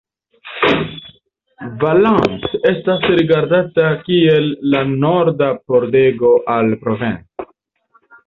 Valence estas rigardata kiel la norda pordego al Provence.